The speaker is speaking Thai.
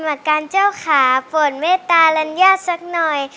กรรมการเจ้าขาโปรดเมตตาลัญญาสักหน่อย